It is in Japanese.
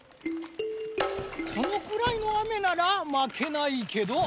このくらいの雨ならまけないけど。